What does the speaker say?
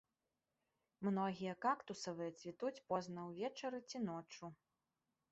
Многія кактусавыя цвітуць позна ўвечары ці ноччу.